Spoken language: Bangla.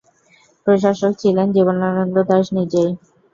প্রকাশক ছিলেন জীবনানন্দ দাশ নিজেই।